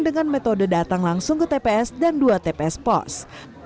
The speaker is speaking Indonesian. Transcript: dengan metode datang langsung ke tps dan dua tps pos